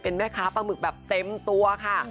เป็นแม่ค้าปลาหมึกแบบเต็มตัวค่ะ